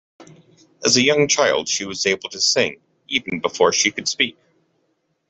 As a young child she was able to sing even before she could speak